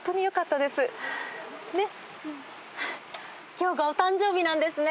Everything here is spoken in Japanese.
今日がお誕生日なんですね？